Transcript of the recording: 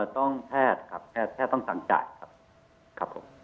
ต้องแพทย์ครับแพทย์ต้องสั่งจ่ายครับครับผม